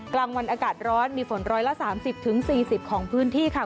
กลางวันอากาศร้อนมีฝนร้อยละสามสิบถึงสี่สิบของพื้นที่ค่ะ